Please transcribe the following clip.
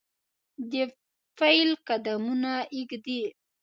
دپیل قدمونه ایږدي